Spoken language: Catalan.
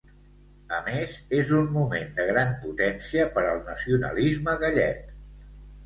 A més, és un moment de gran potència per al nacionalisme gallec.